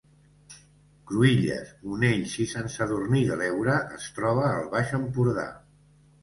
Cruïlles, Monells i Sant Sadurní de l’Heura es troba al Baix Empordà